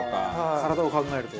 体を考えると。